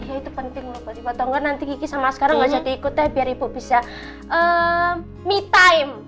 iya itu penting loh berarti apa tau nggak nanti kiki sama askara nggak jadi ikut deh biar ibu bisa me time